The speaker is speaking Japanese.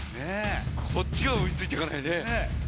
こっちが追い付いてかないね。